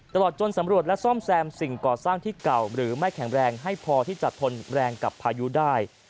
ตลอดจนสำรวจและซ่อมแซมสิ่งก่อสร้างที่เก่าหรือไม่แข็งแรงให้พอที่จะทนแรงกับพายุได้